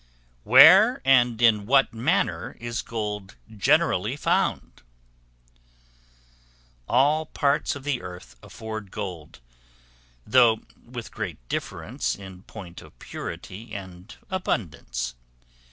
Where and in what manner is Gold generally found? All parts of the earth afford gold; though with great difference in point of purity and abundance.